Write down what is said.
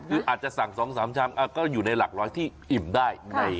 คืออาจจะสั่ง๒๓ชามก็อยู่ในหลักร้อยที่อิ่มได้